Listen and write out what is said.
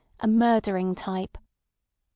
. a murdering type. .